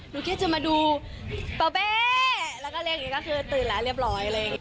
หนูแค่จะมาดูเป๋าเป้แล้วก็เรียกอย่างนี้ก็คือตื่นแล้วเรียบร้อยเลย